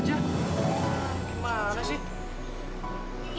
cincin mana sih kerja